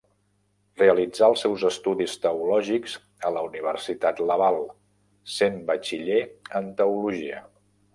Realitzà els seus estudis teològics a la Universitat Laval, sent batxiller en teologia.